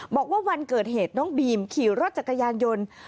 บอกว่าวันเกิดเหตุน้องบีมขี่รถจักรยานยนต์